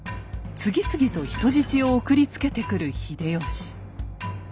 次々と人質を送りつけてくる秀吉。